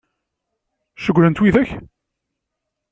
Cewwlen-t widak?